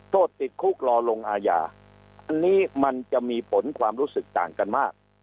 โทษติดคุกรอลงอาญาอันนี้มันจะมีผลความรู้สึกต่างกันมาก